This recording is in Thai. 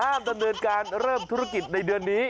ดำเนินการเริ่มธุรกิจในเดือนนี้